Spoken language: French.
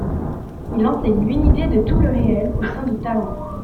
Il enseigne l'unité de tout le réel au sein du Tao.